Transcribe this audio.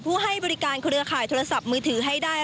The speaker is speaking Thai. ให้บริการเครือข่ายโทรศัพท์มือถือให้ได้